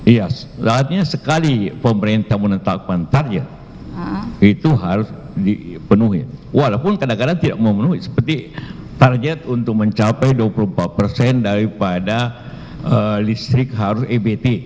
iya saatnya sekali pemerintah menetapkan target itu harus dipenuhi walaupun kadang kadang tidak memenuhi seperti target untuk mencapai dua puluh empat persen daripada listrik harus ebt